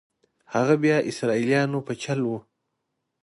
هغه بیا اسرائیلیانو په چل ول.